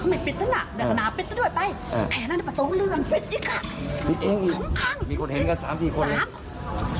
มีคนเห็นกัน๓ที